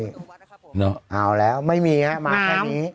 เอาแล้วไม่มีฮะมาแค่นี้